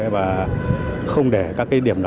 và không để các tội phạm bị phá hủy